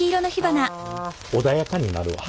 穏やかになるわ。